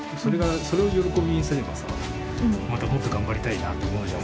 それを喜びにすればさまたもっと頑張りたいなって思うじゃん。